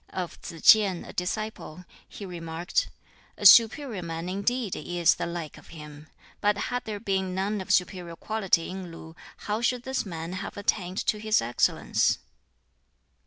Of Tsz tsien, a disciple, he remarked, "A superior man indeed is the like of him! But had there been none of superior quality in Lu, how should this man have attained to this excellence?"